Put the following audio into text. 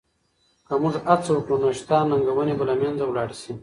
که موږ هڅه وکړو نو شته ننګونې به له منځه لاړې شي.